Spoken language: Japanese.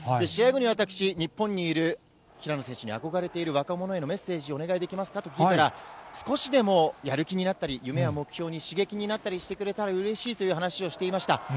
試合後に私、日本にいる平野選手に憧れている若者へのメッセージ、お願いできますかと聞いたら、少しでもやる気になったり、夢や目標に刺激になってくれたりしたらうれしいという話をしていました。